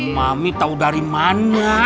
mami tau dari mana